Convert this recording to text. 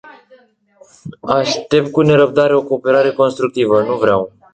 Aștept cu nerăbdare o cooperare constructivă.